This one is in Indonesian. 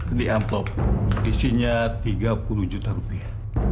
ini amplop isinya tiga puluh juta rupiah